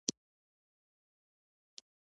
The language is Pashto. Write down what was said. شېخ حمید لومړی لودي پاچا وو.